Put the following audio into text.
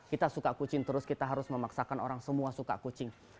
kita suka kucing terus kita harus memaksakan orang semua suka kucing